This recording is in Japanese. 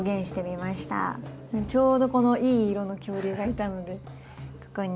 ちょうどこのいい色の恐竜がいたのでここに。